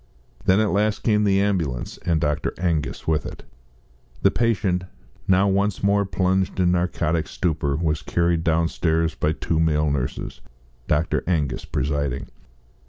Then at last came the ambulance, and Dr. Angus with it. The patient, now once more plunged in narcotic stupor, was carried downstairs by two male nurses, Dr. Angus presiding.